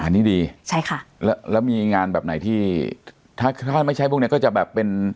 อันนี้ดีใช่ค่ะแล้วแล้วมีงานแบบไหนที่ถ้าถ้าไม่ใช่พวกเนี้ยก็จะแบบเป็น